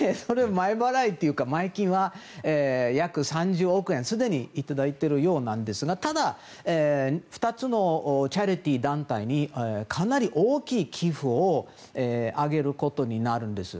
前金は約３０億円すでにいただいているようなんですがただ、２つのチャリティー団体にかなり大きい寄付をあげることになるんです。